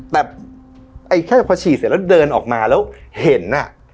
แต่ไอ้แค่พอฉีดเสร็จแล้วเดินออกมาแล้วเห็น